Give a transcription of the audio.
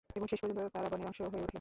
এবং শেষপর্যন্ত তারা বনের অংশ হয়ে উঠলো।